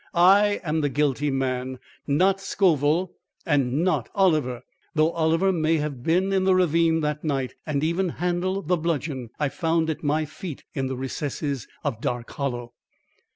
I am the guilty man, not Scoville, and not Oliver, though Oliver may have been in the ravine that night and even handled the bludgeon I found at my feet in the recesses of Dark Hollow."